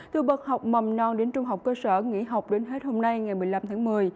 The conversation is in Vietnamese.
từ bậc học mầm non đến trung học cơ sở nghỉ học đến hết hôm nay ngày một mươi năm tháng một mươi